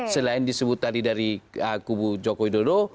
selain disebut tadi dari kubu jokowi dodo